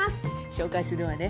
紹介するわね。